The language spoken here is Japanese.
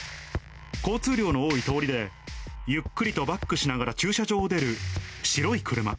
交通量の多い通りで、ゆっくりとバックしながら駐車場を出る白い車。